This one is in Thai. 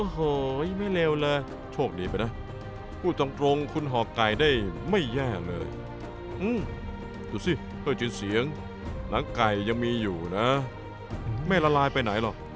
โอ้โห้ยไม่เร็วเลยโชคดีไปนะพูดต่างตรงคุณห่อกไก่ได้ไม่แย่เลยอื้มดูสิเฮ้ยจิ้นเสียงหนังไก่ยังมีอยู่นะไม่ละลายไปไหนหรอกโอ้เครียด